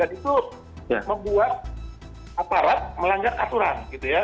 dan itu membuat aparat melanggar aturan